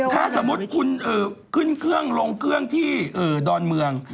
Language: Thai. ถ้าสมมุติคุณขึ้นเครื่องลงเครื่องที่ดอนเมือง